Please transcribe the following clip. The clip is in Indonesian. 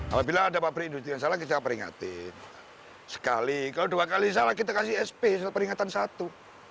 apabila ada pabrik industri yang salah kita peringatin sekali kalau dua kali salah kita kasih sp salah peringatan satu